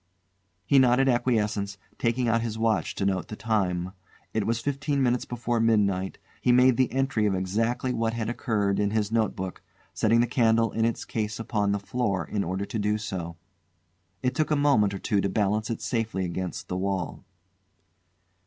He nodded acquiescence, taking out his watch to note the time. It was fifteen minutes before midnight; he made the entry of exactly what had occurred in his notebook, setting the candle in its case upon the floor in order to do so. It took a moment or two to balance it safely against the wall.